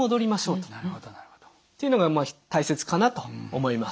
っていうのが大切かなと思います。